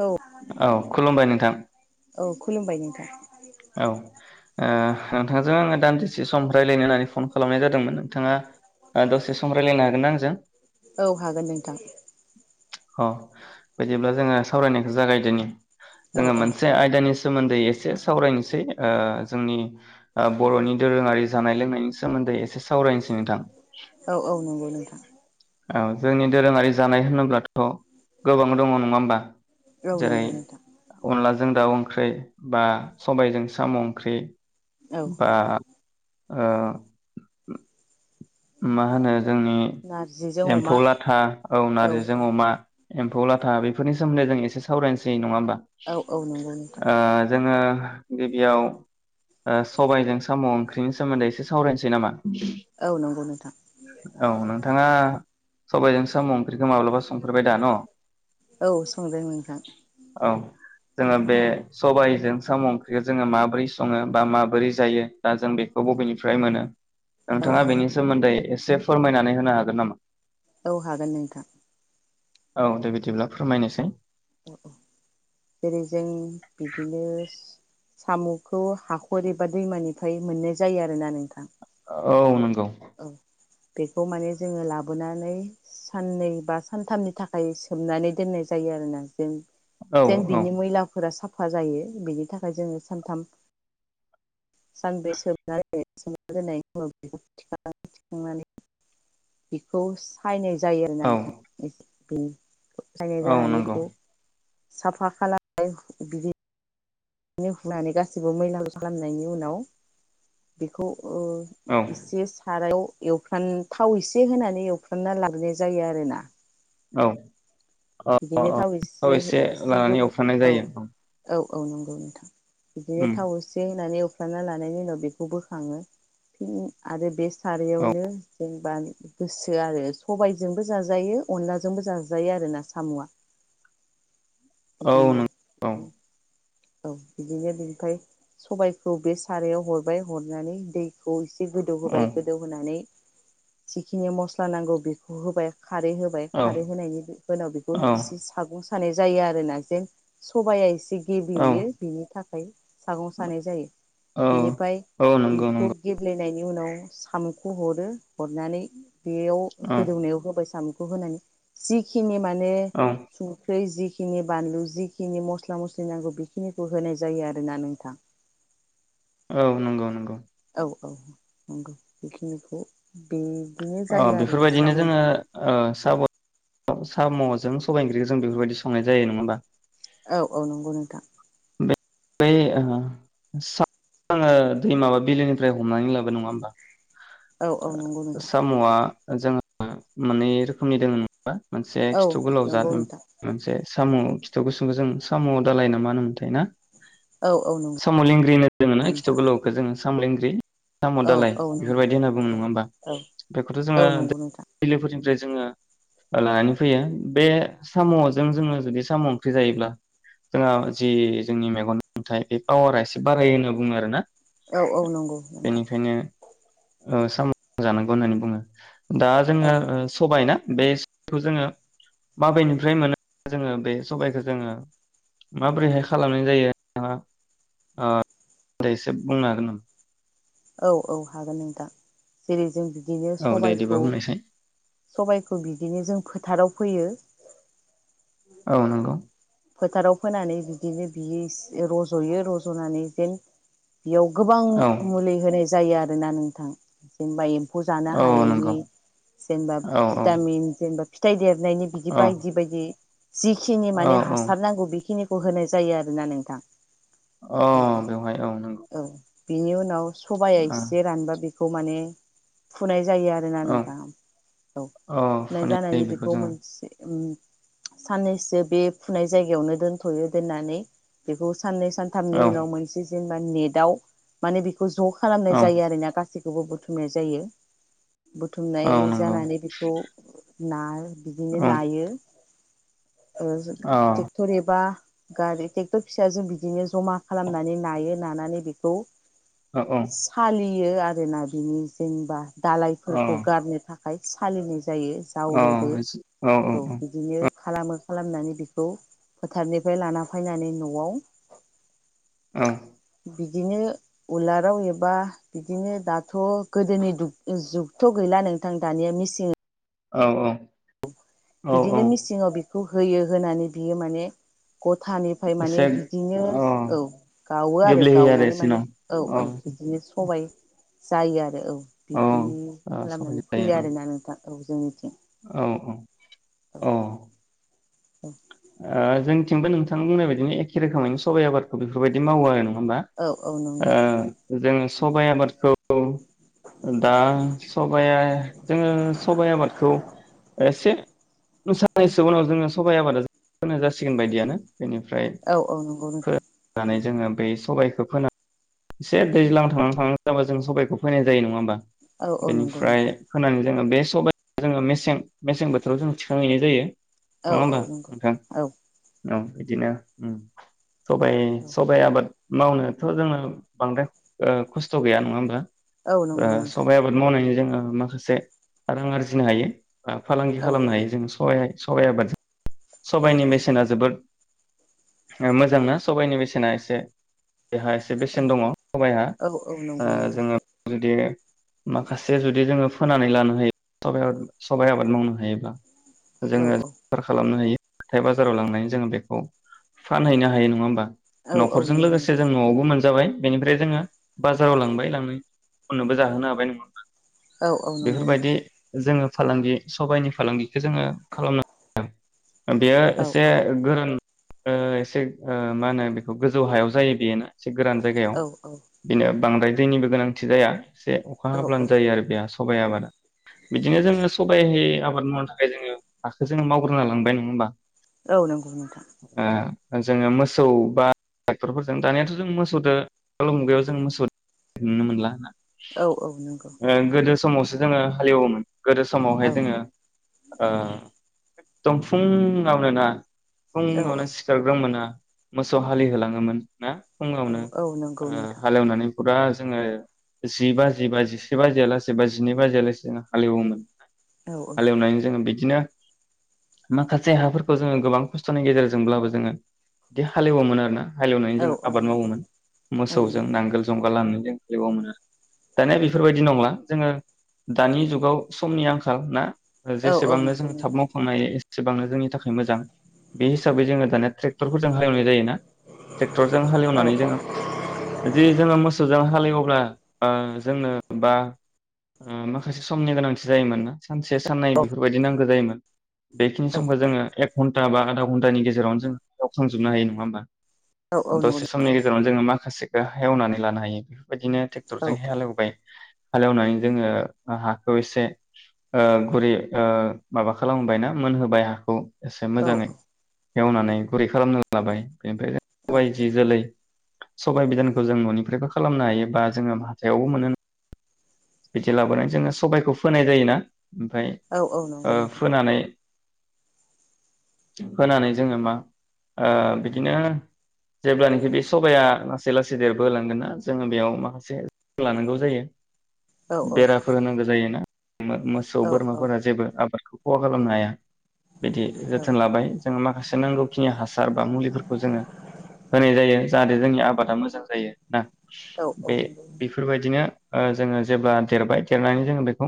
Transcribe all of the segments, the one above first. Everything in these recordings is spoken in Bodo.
औ औ खुलुमबाय नोंथां औ खुलुमबाय नोंथां औ ओ नोंथांजों आङो दानदिसे सम रायलायनो होननानै फन खालामनाय जादोंमोन नोंथाङा ओ दसे सम रायलायनो हागोन न आंजों औ हागोन नोंथां अ बिदिब्ला जोङो सावरायनायखौ जागायदोनि औ जोङो औ मोनसे आयदानि सोमोन्दै एसेस सावरायनोसै ओ जोंनि ओ बरनि दोरोङारि जानाय लोंनायनि सोमोन्दै एसे सावरायनोसै नोंथां औ औ नंगौ नोंथां औ जोंनि दोरोङारि जानाय होनोब्लाथ गोबां दङ नङा होमबा? औ जेरै नंगौ नोंथां अनला जों दाउ ओंख्रि बा सबायजों साम ओंख्रि औ बा ओ मा होनो जोंनि नारजिजों अमा एम्फौ लाथा औ नारजिजों अमा एम्फौ लाथा बेफोरनि सोमोन्दै जों एसे सावरायनोसै नङा होमबा? औ औ नंगौ नोंथां ओ जोङो गिबियाव सबायजों साम ओंख्रिनि सोमोन्दै एसे सावरायनोसै नामा? औ नंगौ नोंथां औ नोंथाङा सबायजों सामुं माब्लाबा संफोरबाय दा न औ संदों नोंथां औ जोङो बे सबाय जों साम ओंख्रिया जोङो माबोरै सङो बा माबोरै जायो दा जों बेखौ बबेनिफ्राय मोनो औ नोंथाङा औ बेनि सोमोन्दै एसे फोरमायनानै होनो हागोन नामा। औ हागोन नोंथां। औ दे बिदिब्ला फोरमायनोसै। जेरै जों बिदिनोस। सामखौ हाखर एबा दैमानिफ्राय मोननाय जायो आरोना नोंथां। औ। औ। बेखौ माने जोङो लाबोनानै साननै बा सानथामनि थाखाय सोमनानै दोननाय जायो आरोना जों। औ जेन औ बिनि मैलाफोरा साफ फा जायो बेनि थाखाय जोङो सानथाम। सानब्रै सोमना दोननाय दोननायनि उनाव बेखौ थिखांनानै थिखांनानै बेखौ सायनाय। जायो आरोना औ नोंथां एस [unintelligible] सायनाय औ जानानै नंगौ बेखौ। साफा खालामबाय बिदि नो हुंनानै गासैबो मैलाखौ खालामनायनि उनाव बेखौ। ओ औ एसे सारायाव। एवफ्राम थाव एसे होनानै एवफ्रामना लागनाय जायो आरोना। औ। अ अ बिदिनो अ थाव एसे एसे लानानै गोबाव एवफ्रानाय औ जायो औ। औ नंगौ नोंथां। बिदिनो उम थाव एसे होनानै एव फ्रामना लानायनि उनाव बेखौ बोखाङो फिन आरो बेस औ खारैयावनो जों। गोसो आरो सबायजोंबो जाजायो अनलाजोंबो जाजायो आरो ना। सामुआ। औ बिदिनो। नों औ औ बिदिनो बेनिफाय सबायखौ बे सारायाव हरबाय हरनानै दैखौ इ गोदौ होबाय गोदौ होनानै। जिखिनि मसला नांगौ बेखौ होबाय। खारै होबाय औ खारै होनायनि उनाव बेखौ एसे सागं। सानाय जायो आरोना। जेन सबाया एसे। गिलियो औ बिनि थाखाय। ओमफ्राय। सागं सानाय जायो। बेनिफ्राय औ औ नंगौ बिखौ नंगौ गेब्ले। नायनि उनाव सामखौ हरो हरनानै। बेयाव औ गोदौनायाव होबाय सामु होनानै जिखनि माने ने औ संख्रै जि खिनि बानलु जिखिनि मसला मसलि नांगौ बि खिनिखौ होनाय जायो आरोना नोंथां। औ नंगौ नंगौ। औ औ नंगौ बेखिनिखौ बे ओ बेफोरबायदिनो जोङो ओ साम' साम' जों सबाइ ओंख्रिखौ जों बेफोरबायदि संनाय जायो नङा होमा। औ औ नंगौ नोंथां। [unintelligible] मा बा बिलोनिफ्राय हमनानै लाबोयो नङा होमबा। औ औ नंगौ ओ नोंथां साम'आ जोंहा मोनै रोखोमनि दोङो। मोनसे औ खिथु गोलाव जाद नंगौ नोंथां मोनसे साम' खिथु गुसुंखौ जों साम' दालाय ना माहोनोमोनथाय? औ औ नंगौ [unintelligible] साम' लिंग्रि होनो जोंङो ना खिथु नोंथां गोलावखौ जोङो। साम' लिंग्रि। साम' औ दालाय औ नंगौ बेफोरबायदि बुङो नङा नंगौ होनमा औ बेखौथ जोङो औ नंगौ नोंथां बिलोफोरथिं ओमफ्राय जोङो लानानै फैयो बे साम'जों जोङो जुदि साम ओंख्रि जायोब्ला जोंहा जि जोंनि मेगननि नुथाइ बे पावारा एसे बारायो होनना बुङो आरो ना। औ औ नंगौ नोंथां। ओ साम'खौ जानांगौ होननानै बुङो। दा औ जोंङो सबायना बे [unintelligible] जोङो माबेनिफ्राय मोनो जोङो बे सबायखौ जोङो? माबोरैहाय खालामनाय जायो नोंथाङा ओ दे एसे बुंनो हागोन नामा? औ औ हागोन नोंथां जेरै जों बिदिनो औ दे बिदिबा सबायखौ बुंनायसाय सबायखौ बिदिनो जों फोथाराव फैयो। औ नंगौ। फोथाराव फोनानै बिदिनो बियो रज'यो रज'नानै फिन बेयाव गोबां औ फोनाय जायो आरोना नोंथां जेनबा एम्फौ जानो औ नंगौ हायैनि जेनेबा औ औ भिटामिन जेनेबा फिथाइ जे बिलायनि बिदि औ बायदि बायदि जिखिनि औ माने औ हासारनांगौ बेखिनि होनाय जायो आरोना नोंथां। अ बेवहाय औ नंगौ। बेनि उनाव सबाया एसे रानबा बे बेखौ माने फुनाय जायो जायो आरोना औ नोंथाङा औ फुनाय जानायनि बेखौ मोनसे ओम साननैसो बे फुनाय जायगायावनो दोनथयो दोननानै बेखौ साननै सानथामनि औ उनाव मोनसे जों दाननि दाउ माने बे ज खालामनाय औ जायो आरोना गासै बेखौबो बुथुमनाय जायो। बुथुमनाय औ नंगौ जानानै बेखौ नार बिदिनो औ नायो। ओ [unintelligible] टेक्टर एबा गारि टेक्टर फिसाजों बिदिनो जमा खालामनानै नायो नानानै बेखौ औ सालि फोयो आरो नाग्लियो जेनबा औ दालायफोरखौ गारनो थाखाय सालिनि जायो औ जावनोबो औ बिदिनो खालामो खालामनानै बेखौ फोथारनिफ्राय लाना फैनानै नआव औ। बिदिनो उलाराव एबा बिदिनो दाथ गोदोनि जुगथ गैला नोंथां दानिया मेसि औ औ। औ औ बिदिनो मिसिंङाव खौ होयो होनानै बियो माने गथानिफ्राय माने एसे बिदिनो औ गावो आरो गेब्लेहोयो गावनानै एसे माने न' औ औ बिदिनो सबाइ जायो आरो औ। बिदि ओ सबाय खालामनानै फोयो जायो आरोना नोंथां। औ जोंनिथिं। औ औ। औ औ ओ जोंथिंबो नोंथां बुंनाय बायदिनो एखे रोखोमैनो सबाइ आबादखौ बेफोरबायदि मावो आरो नों नआ औ औ नंगौ ओ जोंनि सबाइ आबादखौ दा सबाया जोंङो सबाइ आबादखौ एसे [unintelligible] उनाव जोंङो सबाइ आबादा जों फोनो जासिगोन बायदियानो बेनिफ्राय औ औ नंगौ नोंथां फोनानै जोंङो बे सबाइखौ फोना एसे दैज्लां थांहां थांहां जाबा जों सबाइखौ फोनाय जायो नङा होमबा औ औ नंगौ नोंथां बेनिफ्राय फोनानै जोङो बे सबाइ जोङो मेसें मेसें बोथोराव जों थिखांहैनाय जायो औ नङा औ होमबा नंगौ नोंथां औ औ इदिनो सबाइ औ सबाइ आबाद मावनोथ जोङो बांद्राय ओ खस्थ गैया नङा होमबा औ ओ नंगौ नोंथां सबायाइ आबाद मावनायनि जों ओ माखासे रां आरजिनो हायो फालांगि औ खालामनो हायो जों सहाय साबाय आबादजों औ सबाइनि बेसेना जोबोद मोजांना सबाइनि बेसेना एसे बेहा एसे औ बेसेन दङ सबाइहा औ औ ओ नंगौ नोंथां जोङो जुदि माखासे जुदि जोङो फोनानै लानो हायो [unintelligible] सबाइ आबाद मावनो हायोब्ला औ जोङो औ [unintelligible] खालामनो हायो हाथाय बाजाराव लांनानै जोङो बेखौ फानहैनो हायो नङा होमबा औ औ नखरजों नंगौ लोगोसे जों नोंथां नआवबो मोनजाबाय बेनिफ्राय जोङो बाजाराव लांबाय लांनायनि उनावबो जाहोनो हाबाय नङा ओमबा औ औ नंगौ बेफोरबायदि नोंथां जोङो फालांगि सबाइनि फालांगि जोङो खालामनो [unintelligible] बेयो औ एसे औ गोरों ओ एसे ओ मा होनो बेखौ गोजौ हायाव जायो बेयो ना? एसे गोरान जायगायाव औ बिनो बांद्राय दैनिबो गोनांथि जाया एसे अखा औ हाब्लानो जायो आरो बे सबाइ आबादा बिदिनो जोङो सबाय आबाद मावनो थाखाय जोङो हाखौ जोङो मावग्रोना लांनांबाय नङा होमबा औ नोंगौ नोंथां ओ जोङो मोसौ बा ट्रेक्टरफोरजों दानियाथदो [unintelligible] मोसौजों मुगायाव जों मोस नुनो मोनला होना औ औ नोंगौ मावसो जोङो हालेवोमोन गोदो समावहाय औ जोङो ओ [unintelligible] फुङावनो ना औ फुङावनो सिखारग्रो मोना मोसौ हालिहोलाङोमोन ना? औ फुङावनो औ नंगौ ओ नोंथां हालेवनानै फुरा जोङो जिबाजिबा जिसे बाजियालासेै बा जिनै बाजियालासे जों हालेवोमोन औ हालेवनाय जोङो बिदिनो बिदिनो माखासे हाफोरखौ जोङो गोबां खस्थनि गेजेरजोंब्लाबो जोङो बिदि हालेवोमोन आरोना हालेवनानै औ जों औ आबाद नंगौ औ नंगौ मावोमोन औ मोसौजों नांगोल जंगाल लानानै [unintelligible] मोनो आरो दानिया बेफोरबायदि नंला जोङो दानि जुगाव समनि आंखाल ना औ जेसेबांनो नंगौ जोङो थाब नोंथां मावखांनो हायो एसे एसेबांनो जोंनि थाखाय मोजां बे हिसाबै जोङो दाना ट्रेक्टरफोरजों हालेवनाय जायोना ट्रेक्टरजों औ हालेवनानै जोङो औ जि जोङो मोसौजों हालेवयोब्ला ओ जोंनो बा माखासे समनि गोनांथि जायोमोन ना सानसे साननै औ बेफोरबायाददि नांगौ जायोमोन [inaudible] बेखिनि समखौ जोङो एक घन्टा बा आदा घन्टानि गेजाव जों एवखांजोबनो हायो नङा होमबा? औ औ दसे समनि गेजेरावनो जोङो माखा माखासेखौ एवनानै लानो हायो बेबायदिनो नंगौ औ ट्रेक्टरजों औ औ हालेवबाय हालेवनानै जोङो हाखौ एसे ओ गुरै ओ माबा खालामबाय ना मोनहोबाय हाखौ एसे औ मोजाङै एवनानै गुरै खालामना लाबाय औ नंगौ नोंथां औ बेनिफ्राय जि जोलै सबाइ बिदानखौ जों ननिफ्रायबो खालामनो हायोबा जोङो हाथायावबो मोनो बिदि लाबोनानै जोङो सबायखौ फोनाय जायोना ओमफ्राय औ नंगौ औ ओ नंगौ फोनानै होनानै जोङो मा ओ बिदिनो जेब्लानोखि बे सबाया लासै लासै देरबोहोलांगोन ना जोङो बेयाव माखासे लानांगौ जायो औ बेराफोर होनांगो जायोना मोसौ बोरमाफोरा जेबो आबादखौ -' खहा खालामनो हाया बिदि जोथोन लाबाय जोङो माखासे नांगौखिनि हासार बा मुलिफोरखौ जोङो होनाय जायो जाहाथे जोंनि आबादा मोजां जायो ना बे-बेफोरबायदिनो ओ जोङो जेब्ला देरबाय देरनानै जोङो बेखौ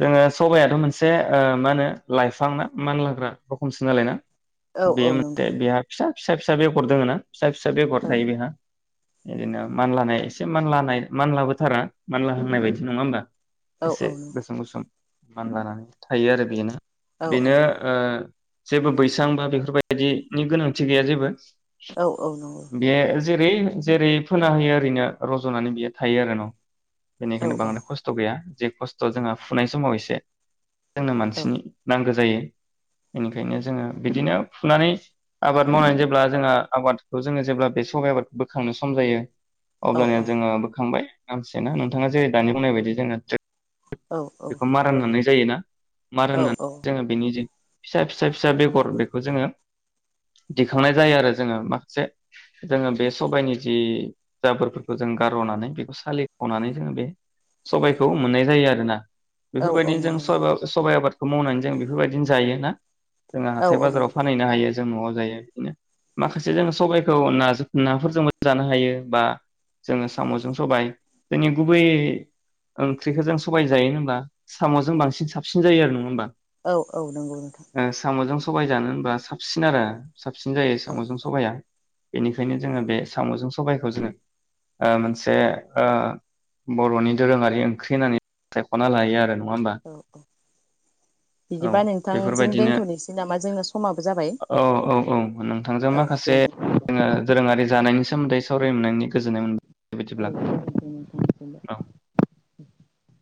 जोङो सबायाथ मोनसे ओ मा होनो लाइफां ना मानलाग्रा रखमसो नालाय ना बे मोनसे बेहा फिसा फिसा फिसा बेगर दोङो ना फिसा फिसा बेफोर थायो बेहा बिदिनो मानलानाय एसे मानलानाय मानलाबोथारा मानला हांनाय बायदि नङा होनबा औ एसे नंगौ गोसोम गोसोम मानलानानै थायो आरो बेनो औ बेनो ओ जेबो बैसां बा बेफोरबायदिनि गोनांथि गैया जेबो औ औ नंगौ बे जेरै जेरै फोना होयो ओरैनो रजनानै बियो थायो आरो न औ बेनिखायनो बांद्राय खस्थ गैया जे खस्थ जोंहा फुनाय समाव एसे जोंनो औ मानसिनि नांगो जायो बेनिखायनो जोङो बिदिनो फुनानै आबाद मावनानै जेब्ला जोंहा आबादखौ जोङो जेब्ला बे सबाइ आबाद बोखांनो सम जायो अब्लानिया औ जोङो बोखांबाय आंस एनो नोंथाङा जे दानि बुंनाय बायदि जोङो [unintelligible] बे औ बेखौ मारा होननानै जायोना मार औ होननानै जोङो बेनि जि फिसा फिसा फिसा बेगर बेखौ जोङो दिखांनाय जायो आरो जोङो माखासे जोङो बे सबाइनि जि जाबोरफोरखौ जों गारनानै बेखौ सालि हनानै जोङो बे सबायखौ मोननाय जायो आरोना औ औ बेफोरबायदिनो नंगौ जों नोंथां सबा-सबाइ आबाद बेखौ मावनानै जों बेफोरबायदिनो जायो ना जोङो औ हाथाय औ बाजाराव नंगौ फानहैनो हायो। जों नआव जायो बिनो माखासे जोङो सबाइखौ नाजों नाफोरजोंबो जानो हायो बा जोङो सामजों सबाइ जोंनि गुबै ओंख्रिखो जों सबाइजों जायो होमबा सामजों बांसिन साबसिन जायो आरो नङा होमबा औ औ नंगौ नोंथां सबाइ जानो होनबा साबसिन आरो साबसिन जायो औ सामजों सबाया बेनिखायनो जोङो बे साम'जों सबाइखौ जोङो ओ मोनसे ओ बर'नि दोरोङारि ओंख्रि होननानै सायखना लायो आरो नङा होनबा औ औ औ बिदिबा बेफोर नोंथांजों बायदिनो दोनथ'नोसै नामा जोंना समाबो जाबाय औ औ औ नोंथांजों औ दे माखासे जोंङो दोरोंयारि जानायनि सोमोन्दै सावराय मोननायनि गोजोननाय मोनदों [unintelligible] औ [inaudible]